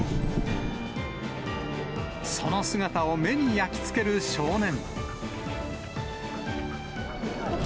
その姿を目に焼き付ける少年。